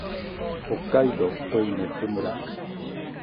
北海道音威子府村